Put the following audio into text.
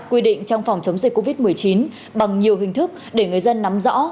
quy định trong phòng chống dịch covid một mươi chín bằng nhiều hình thức để người dân nắm rõ